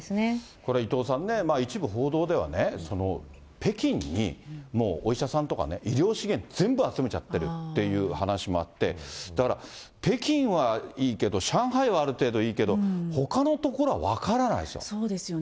これ、伊藤さんね、一部報道ではね、北京にもうお医者さんとかね、医療資源、全部集めちゃってるっていう話もあって、だから、北京はいいけど、上海はいいけど、そうですよね。